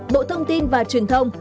bộ thông tin và truyền thông